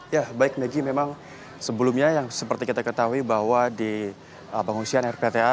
ya baik megi memang sebelumnya yang seperti kita ketahui bahwa di pengungsian rpta